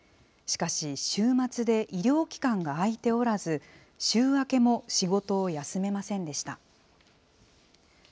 しかし、週末で医療機関が開いておらず、週明けも仕事を休めませんでした。